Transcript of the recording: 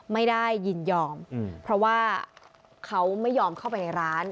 ไม่ได้ยินยอมเพราะว่าเขาไม่ยอมเข้าไปในร้าน